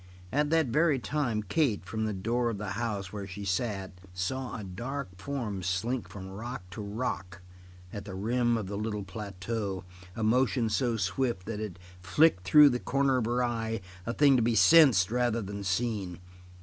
At that very time Kate, from the door of the house where she sat, saw a dark form slink from rock to rock at the rim of the little plateau, a motion so swift that it flicked through the corner of her eye, a thing to be sensed rather than seen.